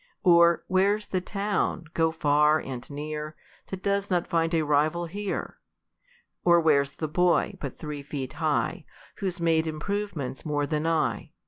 Or, Where's the town, go far and near, That does not iind a rival here ? Or Where's the boy, but three feet high. Who's made improvements more than I